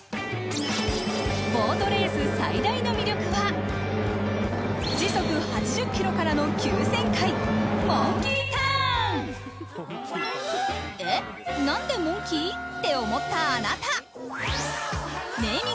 ボートレース最大の魅力は、時速８０キロからの急旋回、モンキーターン。